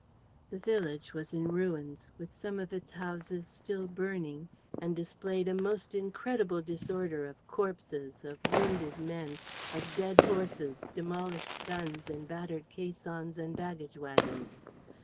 The village was in ruins, with some of its houses still burning, and displayed a most incredible disorder of corpses, of wounded men, of dead horses, demolished guns and battered caissons and baggage wagons.